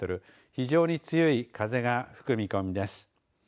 非常に強い風が吹く見込みです。